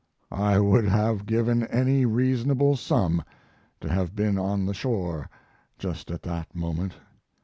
I would have given any reasonable sum to have been on the shore just at that moment.